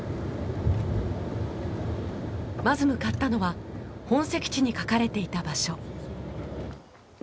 まず向かったのは本籍地に書かれていた場所。